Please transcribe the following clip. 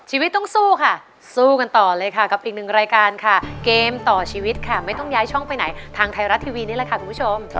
ชีวิตต้องสู้ค่ะสู้กันต่อเลยค่ะกับอีกหนึ่งรายการค่ะเกมต่อชีวิตค่ะไม่ต้องย้ายช่องไปไหนทางไทยรัฐทีวีนี่แหละค่ะคุณผู้ชม